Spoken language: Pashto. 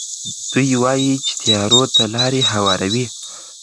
دوی وايي چې تیارو ته لارې هواروي.